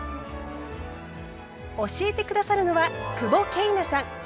教えて下さるのは久保桂奈さん。